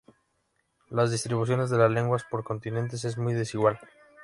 La distribución de las lenguas por continentes es muy desigual.